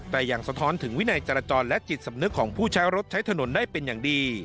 แต่ยังสะท้อนถึงวินัยจรจรและจิตสำนึกของผู้ใช้รถใช้ถนนได้เป็นอย่างดี